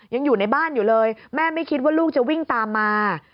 ยังอยู่ในบ้านอยู่เลยแม่ไม่คิดว่าลูกจะวิ่งตามมา